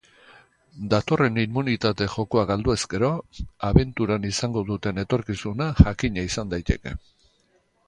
Datorren inmunitate jokoa galdu ezkero, abenturan izango duten etorkizuna jakina izan daiteke.